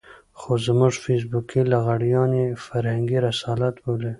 خو زموږ فېسبوکي لغړيان يې فرهنګي رسالت بولي.